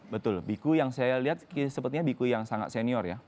betul biku yang saya lihat sepertinya biku yang sangat senior ya